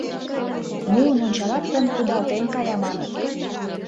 Муын ончалат гын, кудалтен кая, маныт.